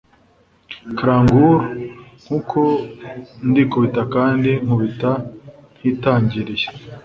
clangour nkuko ndikubita kandi nkubita ntitangiriye